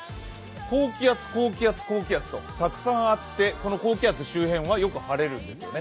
高気圧、高気圧、高気圧とたくさんあって、この高気圧周辺はよく晴れるんですよね。